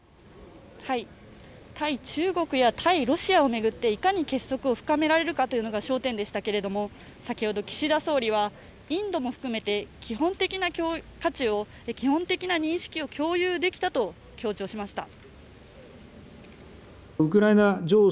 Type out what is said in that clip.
対中国や対ロシアを巡っていかに結束を深められるかが焦点でしたけれども、先ほど岸田総理はインドも含めて基本的な認識を共有できたと強調しました。